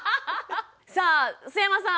さあ須山さん